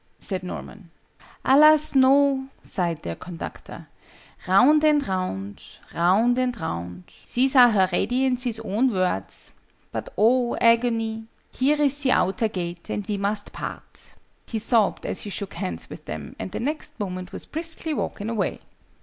said Norman. "Alas, no!" sighed their conductor. "Round and round. Round and round. These are Her Radiancy's own words. But oh, agony! Here is the outer gate, and we must part!" He sobbed as he shook hands with them, and the next moment was briskly walking away.